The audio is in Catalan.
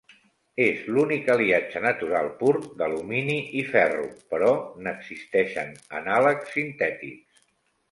És l'únic aliatge natural pur d'alumini i ferro, però n'existeixen anàleg sintètics.